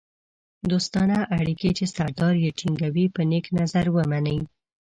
دوستانه اړیکې چې سردار یې ټینګوي په نېک نظر ومني.